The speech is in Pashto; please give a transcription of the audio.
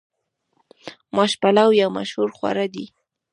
ماش پلو یو مشهور خواړه دي.